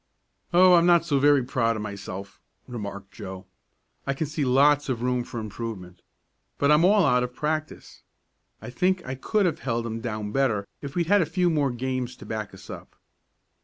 "Oh, I'm not so very proud of myself," remarked Joe. "I can see lots of room for improvement. But I'm all out of practice. I think I could have held 'em down better if we'd had a few more games to back us up."